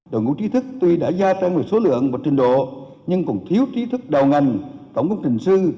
đội ngũ chi thức tuy đã gia trang về số lượng và trình độ nhưng còn thiếu chi thức đầu ngành tổng công trình sư